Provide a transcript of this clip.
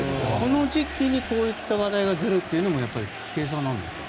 この時期にこういった話題が出るというのも計算なんですか。